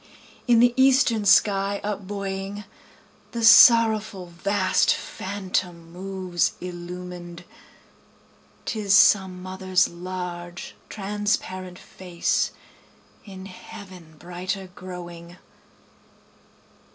In the eastern sky up buoying, The sorrowful vast phantom moves illuminâd, (âTis some motherâs large transparent face, In heaven brighter growing.)